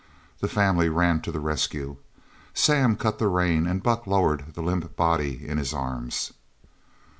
The family ran to the rescue. Sam cut the rein and Buck lowered the limp body in his arms.